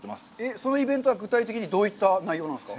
そのイベントは、具体的にはどういった内容なんですか。